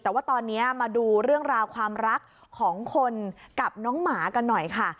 แต่ว่าตอนนี้มาดูเรื่องราวความรักของคนกับน้องหมากันหน่อยค่ะ